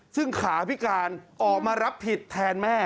ซึ่งขาพิการออกมารับผิดแทนแม่